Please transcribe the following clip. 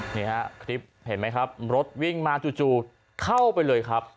นี่ฮะคลิปเห็นไหมครับรถวิ่งมาจู่เข้าไปเลยครับ